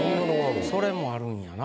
それもあるんやな。